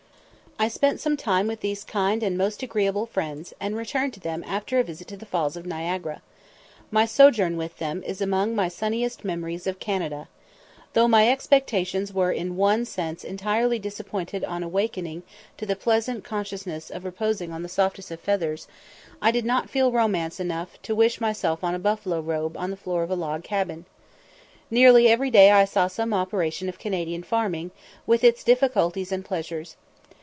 I spent some time with these kind and most agreeable friends, and returned to them after a visit to the Falls of Niagara. My sojourn with them is among my sunniest memories of Canada. Though my expectations were in one sense entirely disappointed on awaking to the pleasant consciousness of reposing on the softest of feathers, I did not feel romance enough to wish myself on a buffalo robe on the floor of a log cabin. Nearly every day I saw some operation of Canadian farming, with its difficulties and pleasures.